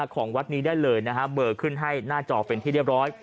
ของวัดนี้ได้เลยนะฮะเบอร์ขึ้นให้หน้าจอเป็นที่เรียบร้อย